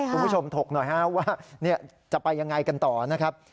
คุณผู้ชมถกหน่อยว่าจะไปยังไงกันต่อนะครับ